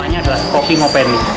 namanya adalah kopi ngopeni